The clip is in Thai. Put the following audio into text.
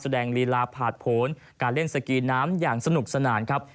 ลีลาผ่านผลการเล่นสกีน้ำอย่างสนุกสนานครับ